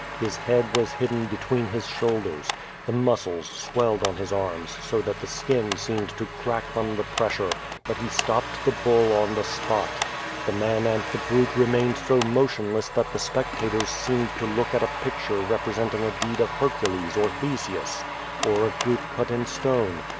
His head was hidden between his shoulders. The muscles swelled on his arms so that the skin seemed to crack from the pressure, but he stopped the bull on the spot. The man and the brute remained so motionless that the spec tators seemed to look at a picture representing a deed of Hercules or Theseus, or a group cut in stone.